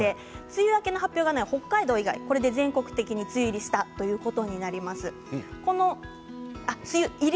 梅雨明けの発表が北海道以外、全国的に梅雨入りしたということになります。